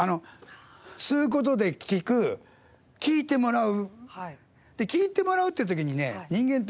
「吸う」ことで聞く、聞いてもらう。